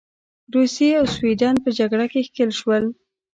روسیې او سوېډن په جګړه کې ښکیل شول.